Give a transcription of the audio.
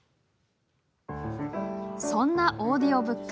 そんなオーディオブック。